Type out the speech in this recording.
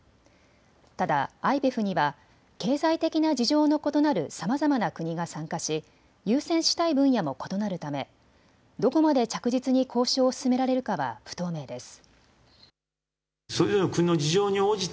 ただＩＰＥＦには経済的な事情の異なるさまざまな国が参加し優先したい分野も異なるためどこまで着実に交渉を進められるかは不透明です。